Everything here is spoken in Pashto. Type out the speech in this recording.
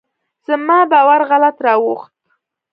زما باور غلط راوخوت.